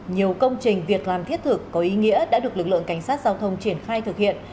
nhiều công trình việc làm thiết thực có ý nghĩa đã được lực lượng cảnh sát giao thông triển khai thực hiện